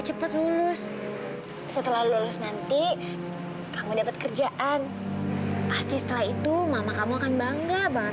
cepat lulus setelah lulus nanti kamu dapat kerjaan pasti setelah itu mama kamu akan bangga banget